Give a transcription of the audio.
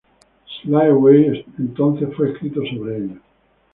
Slide Away entonces fue escrito sobre ella.